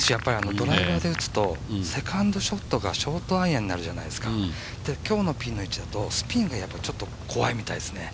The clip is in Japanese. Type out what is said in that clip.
ドライバーで打つと、セカンドショットがショートアイアンになるじゃないですか今日のピンの位置だとスピンがちょっと怖いみたいですね。